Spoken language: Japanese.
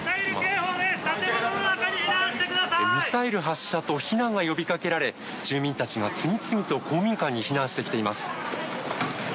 ミサイル発射と避難が呼びかけられ住民たちが次々と公民館に避難してきています。